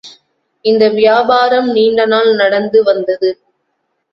இந்த வியாபாரம் நீண்டநாள் நடந்து வந்தது.